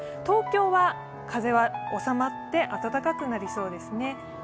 東京は風は収まって、暖かくなりそうですね。